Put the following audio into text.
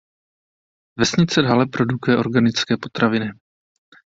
Vesnice dále produkuje organické potraviny.